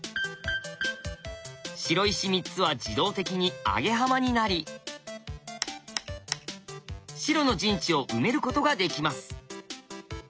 白石３つは自動的にアゲハマになり白の陣地を埋めることができます。